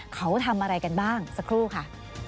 เขาทำอะไรกันบ้างสักครู่ค่ะ